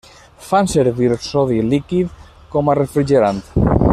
Fan servir sodi líquid com a refrigerant.